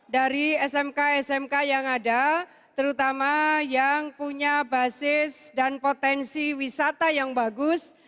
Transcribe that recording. dari smk smk yang ada terutama yang punya basis dan potensi wisata yang bagus